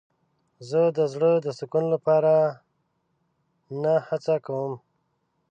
زه د زړه د سکون لپاره نه هڅه کوم.